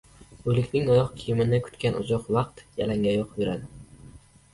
• O‘likning oyoq kiyimini kutgan uzoq vaqt yalangoyoq yuradi.